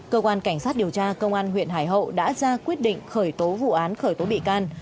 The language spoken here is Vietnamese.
cơ quan cảnh sát điều tra công an huyện hải hậu đã ra quyết định khởi tố vụ án khởi tố bị can